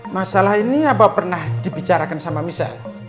masalah ini apa pernah dibicarakan sama misal